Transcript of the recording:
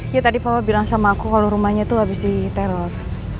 iya tadi papa bilang sama aku kalo rumahnya tuh abis diteror